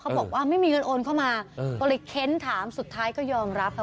บอกว่าไม่มีเงินโอนเข้ามาก็เลยเค้นถามสุดท้ายก็ยอมรับค่ะ